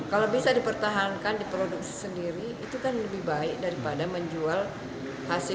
kalau bisa dipertahankan di produksi sendiri itu kan lebih baik daripada menjual hasil inovasi mereka ke orang lain